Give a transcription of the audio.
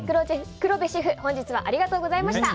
黒部シェフ、本日はありがとうございました。